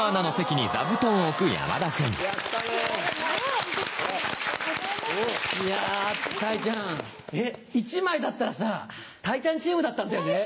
いやたいちゃん１枚だったらさたいちゃんチームだったんだよね。